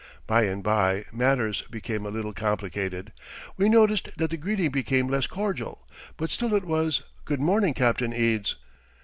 By and by matters became a little complicated. We noticed that the greeting became less cordial, but still it was "Good morning, Captain Eads."